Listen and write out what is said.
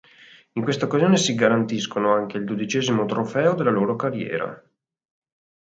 In questa occasione si garantiscono anche il dodicesimo trofeo della loro carriera.